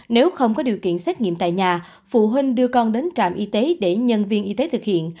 nếu không có điều kiện xét nghiệm tại nhà phụ huynh đưa con đến trạm y tế để nhân viên y tế thực hiện